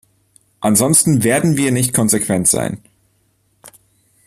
Ansonsten werden wir nicht konsequent sein.